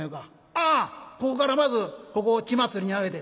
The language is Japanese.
「ああここからまずここを血祭りに上げて」。